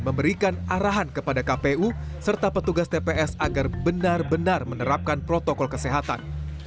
memberikan arahan kepada kpu serta petugas tps agar benar benar menerapkan protokol kesehatan